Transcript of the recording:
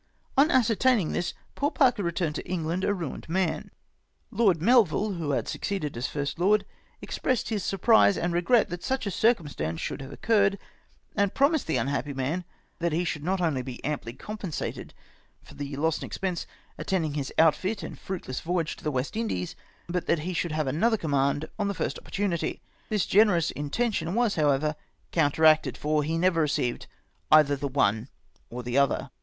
On ascertaining this, poor Parker returned to England AND SUBSEQUENT SHAMEFUL TREATMENT. 151 a mined man. Lord Melville, who had succeeded as First Lord, expressed his surprise and regret that such a circumstance should have occurred, and promised the unhappy man that he should not only be amply com pensated for the loss and expense attending his outfit and fruitless voyage to the West Indies, but that he should have another command on the first opportunity. This generous intention was however counteracted, for he never received eitlier the one or the other.